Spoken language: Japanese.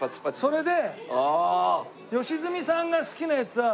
それで良純さんが好きなやつは。